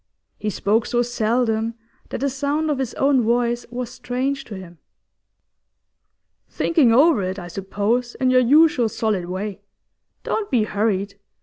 He spoke so seldom that the sound of his own voice was strange to him. 'Thinking over it, I suppose, in your usual solid way. Don't be hurried.